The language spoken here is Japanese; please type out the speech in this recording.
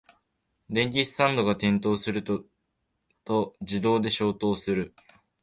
電気スタンドが転倒すると自動で消灯する